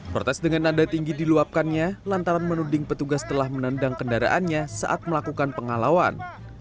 protes dengan nada tinggi diluapkannya lantaran menuding petugas telah menendang kendaraannya saat melakukan pengalauan